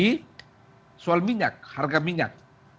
ini soal minyak harga minyak